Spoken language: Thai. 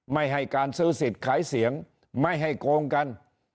ไม่ให้การซื้อสิทธิ์ขายเสียงไม่ให้โกงกัน